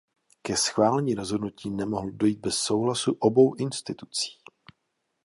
Ke schválení rozhodnutí nemohlo dojít bez souhlasu obou institucí.